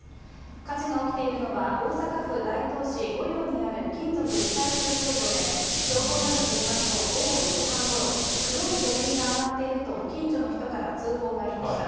火事が起きているのは、大阪府大東市ごりょうにある金属リサイクル工場で、消防などによりますと、午後２時半ごろ、黒い煙が上がっていると近所の人から通報がありました。